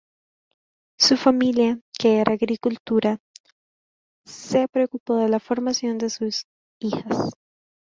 Su familia, que era agricultura, se preocupó de la formación de las hijas.